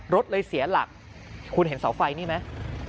รถเลยเสียหลักคุณเห็นเสาไฟนี่ไหม